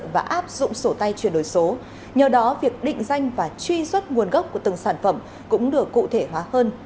và mã số đó sẽ được tích hợp